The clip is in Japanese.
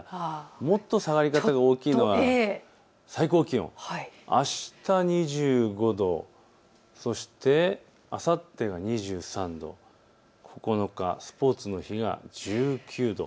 もっと下がり方が大きいのは最高気温、あした２５度、そしてあさってが２３度、９日、スポーツの日が１９度。